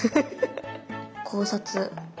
考察。